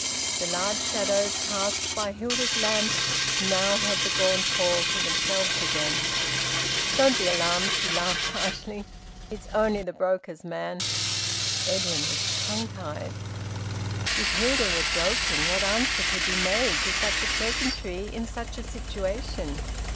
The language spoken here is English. The large shadows cast by Hilda's lamp now had the gaunt hall to themselves again. "Don't be alarmed," she laughed harshly. "It's only the broker's man." Edwin was tongue tied. If Hilda were joking, what answer could be made to such a pleasantry in such a situation?